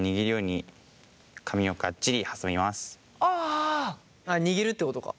あっ握るってことか？